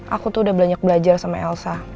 aku tuh udah banyak belajar sama elsa